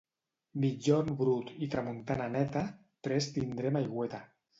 Migjorn brut i tramuntana neta, prest tindrem aigüeta.